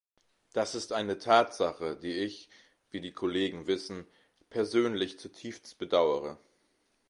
Das ist eine Tatsache, die ich, wie die Kollegen wissen, persönlich zutiefst bedaure.